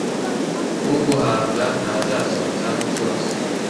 uguhabwa ntazasonza cyose